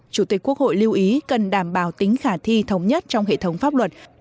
chủ tịch quốc hội lưu ý cần đảm bảo tính khả thi thống nhất trong hệ thống pháp luật